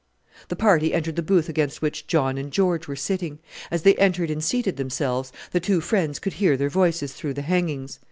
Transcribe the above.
The party entered the booth against which John and George were sitting. As they entered and seated themselves, the two friends could hear their voices through the hangings.